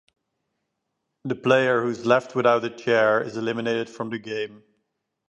The player who is left without a chair is eliminated from the game.